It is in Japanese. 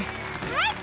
はい！